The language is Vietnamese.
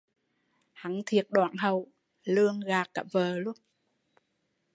Hắn thiệt đoản hậu, lường gạt cả vợ